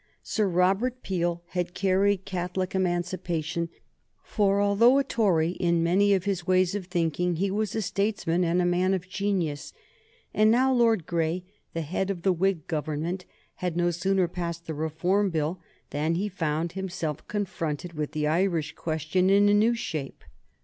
Sir Robert Peel had carried Catholic Emancipation, for, although a Tory in many of his ways of thinking, he was a statesman and a man of genius; and now Lord Grey, the head of the Whig Government, had no sooner passed the Reform Bill than he found himself confronted with the Irish question in a new shape.